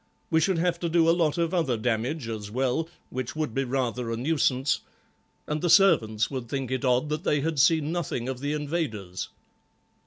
We should have to do a lot of other damage as well, which would be rather a nuisance, and the servants would think it odd that they had seen nothing of the invaders."